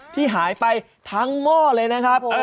ที่หายไปทั้งหม้อเลยนะครับ